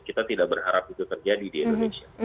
kita tidak berharap itu terjadi di indonesia